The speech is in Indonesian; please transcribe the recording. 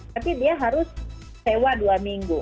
tapi dia harus sewa dua minggu